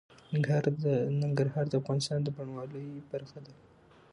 ننګرهار د افغانستان د بڼوالۍ برخه ده.